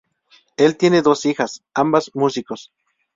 Él tiene dos hijas, ambas músicos.